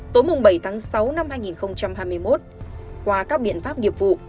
tối bảy sáu hai nghìn hai mươi một qua các biện pháp nghiệp vụ